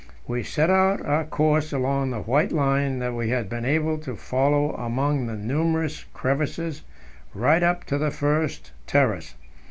We set our course along the white line that we had been able to follow among the numerous crevasses right up to the first terrace.